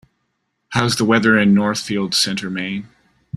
how's the weather in Northfield Center Maine